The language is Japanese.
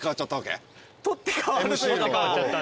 取って代わるというかまあ。